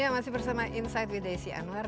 ya masih bersama insight with desi anwar